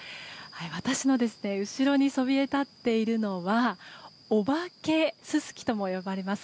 私の後ろにそびえ立っているのはおばけススキとも呼ばれます